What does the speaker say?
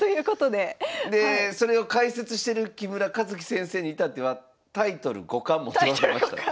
でそれを解説してる木村一基先生に至ってはタイトル五冠持っておられますから。